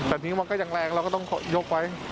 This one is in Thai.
แต่นิ้วมันก็ยังแรงเราก็ต้องยกไว้